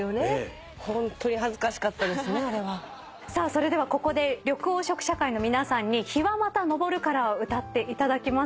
それではここで緑黄色社会の皆さんに『陽はまた昇るから』を歌っていただきます。